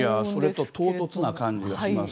それと唐突な感じがします。